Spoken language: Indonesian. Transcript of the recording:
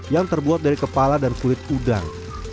yang terbuat dari kepala dan kulit udang